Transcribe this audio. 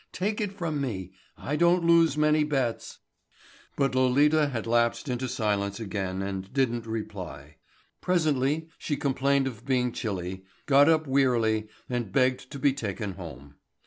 Take it from me. I don't lose many bets." But Lolita had lapsed into silence again and didn't reply. Presently she complained of being chilly, got up wearily and begged to be taken home.